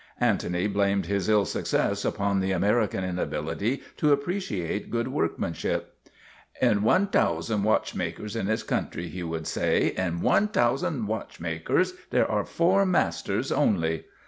Antony blamed his ill success upon the American inability to appreciate good workmanship. ' In one t'ousand watchmakers in this coun try," he would say, ' in one t'ousand watchmakers there are four masters only.